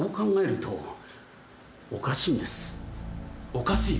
おかしい？